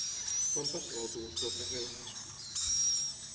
Quan passa l'autobús pel carrer Legazpi?